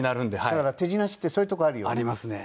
だから手品師ってそういうとこあるよね。ありますね。